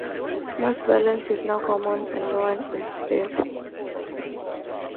Mass violence is now common and no one is safe.